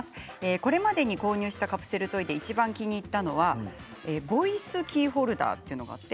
これまでに購入したカプセルトイで、いちばん気に入ったものはボイスキーホルダーというものです。